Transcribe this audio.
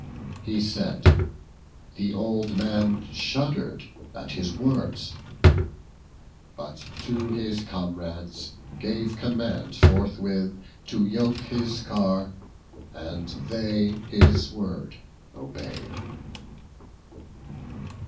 He said; the old man shuddered at his words: But to his comrades gave command forthwith. To yoke his car; and they his word obey'd.